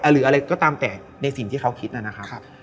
หรืออะไรก็ตามแต่ในสิ่งที่เขาคิดนะครับ